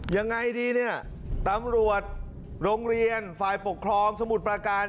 ยังไงดีเนี่ยตำรวจโรงเรียนฝ่ายปกครองสมุทรประการ